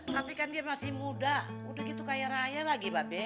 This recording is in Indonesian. tapi kan dia masih muda udah gitu kaya raya lagi pak be